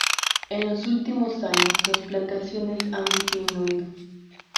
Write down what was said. En los últimos años, las plantaciones han disminuido.